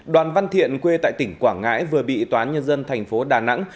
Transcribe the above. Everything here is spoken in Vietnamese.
đoàn văn thiện quê tại tỉnh quảng ngãi vừa bị toán nhân dân tp đà nẵng